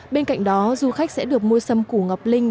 bên cạnh đó du khách sẽ được mua sâm củ ngọc linh